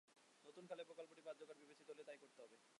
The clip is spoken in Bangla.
নতুন খালের প্রকল্পটি কার্যকর বিবেচিত হলে তাই করতে হবে।